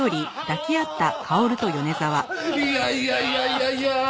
いやいやいやいやいや！